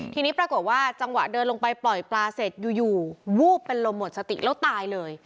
ทีนี้ปรากฏว่าจังหวะเดินลงไปปล่อยปลาเสร็จอยู่วูบเป็นลมหมดสติแล้วตายเลย